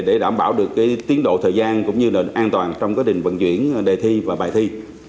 để đảm bảo được cái tiến độ thời gian cũng như là an toàn trong cái định vận chuyển đề thi và bài thi